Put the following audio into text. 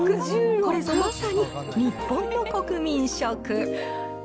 これぞまさに日本の国民食。